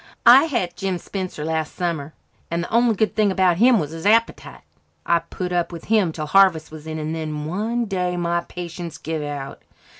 "I had Jim Spencer last summer and the only good thing about him was his appetite. I put up with him till harvest was in, and then one day my patience give out.